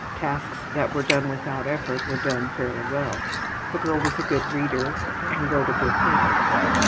Tasks that were done without effort were done fairly well. The girl was a good reader and wrote a good hand.